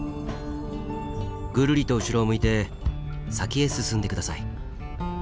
ぐるりと後ろを向いて先へ進んで下さい。